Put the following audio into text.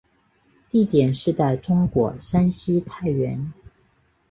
地点是在中国山西太原。